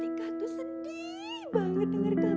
atika tuh sedih banget denger kabar ini